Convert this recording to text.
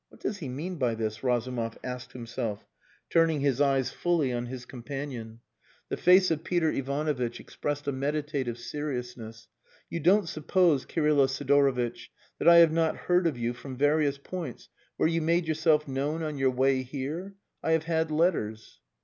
"What does he mean by this?" Razumov asked himself, turning his eyes fully on his companion. The face of Peter Ivanovitch expressed a meditative seriousness. "You don't suppose, Kirylo Sidorovitch, that I have not heard of you from various points where you made yourself known on your way here? I have had letters."